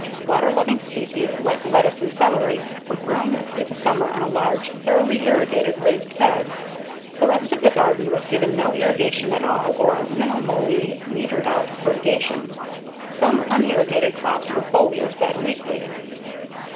Water loving species like lettuce and celery were grown through the summer on a large, thoroughly irrigated raised bed. The rest of the garden was given no irrigation at all or minimally metered out fertigations. Some unirrigated crops were foliar fed weekly.